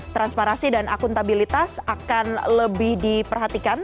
transparansi dan akuntabilitas akan lebih diperhatikan